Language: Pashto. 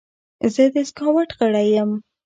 زه د سکاوټ غړی یم.